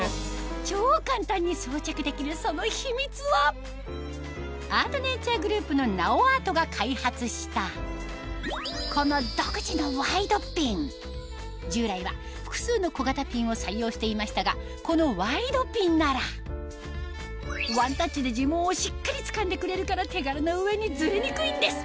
超簡単に装着できるその秘密はアートネイチャーグループのナオアートが開発したこの従来は複数の小型ピンを採用していましたがこのワイドピンなら手軽な上にズレにくいんです